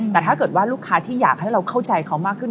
แต่ถ้าเกิดว่าลูกค้าที่อยากให้เราเข้าใจเขามากขึ้น